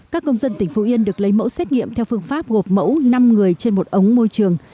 các công dân tỉnh phú yên được lấy mẫu xét nghiệm theo phương pháp gộp mẫu năm người trên một ống môi trường